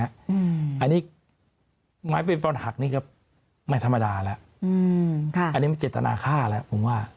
อันนี้ไม้เป็นปอนหักนี่ก็ไม่ธรรมดาแล้วอืมค่ะอันนี้มันเจตนาฆ่าแล้วผมว่า